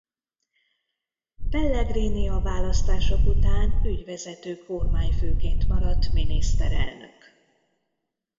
Pellegrini a választások után ügyvezető kormányfőként maradt miniszterelnök.